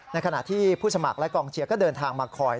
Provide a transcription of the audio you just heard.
ในขณะที่ผู้สมัครและกองเชียร์ก็เดินทางมาคอย